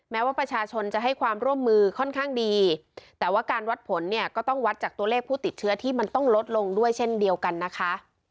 แม้ว่าประชาชนจะให้ความร่วมมือค่อนข้างดีแต่ว่าการวัดผลเนี่ยก็ต้องวัดจากตัวเลขผู้ติดเชื้อที่มันต้องลดลงด้วยเช่นเดียวกันนะคะ